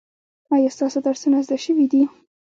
ایا ستاسو درسونه زده شوي دي؟